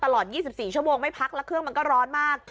ตลอด๒๔ชั่วโมงไม่พักแล้วเครื่องมันก็ร้อนมาก